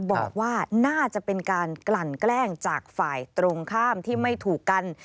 บอกว่าน่าจะเป็นการกลั่นแกล้งจากฝ่ายตรงข้ามที่ไม่ถูกกัน